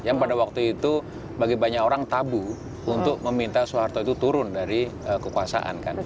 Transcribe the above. yang pada waktu itu bagi banyak orang tabu untuk meminta soeharto itu turun dari kekuasaan kan